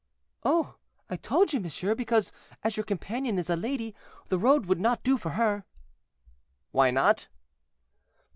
"Oh! I told you, monsieur, because, as your companion is a lady, the road would not do for her." "Why not?"